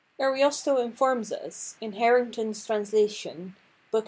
Ariosto informs us (in Harington's translation, Bk.